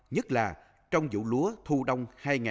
nhất là trong vụ lúa thu đông